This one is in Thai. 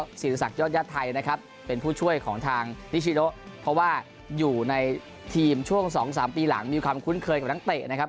แหล่ะเสียงสัตว์ย่อญแย่ไทยนะครับเป็นผู้ช่วยของทางนิกัสเงาะเพราะว่าอยู่ในทีมช่วงสองสามปีหลังมีความคุ้นเคยแม่งนะครับ